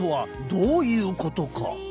どういうこと？